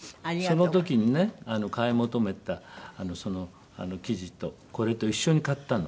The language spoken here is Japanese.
その時にね買い求めたその生地とこれと一緒に買ったの。